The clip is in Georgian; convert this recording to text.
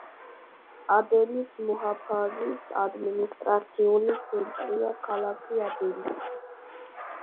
ადენის მუჰაფაზის ადმინისტრაციული ცენტრია ქალაქი ადენი.